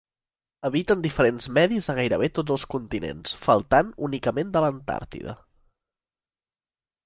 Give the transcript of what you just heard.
Habiten diferents medis a gairebé tots els continents, faltant únicament de l'Antàrtida.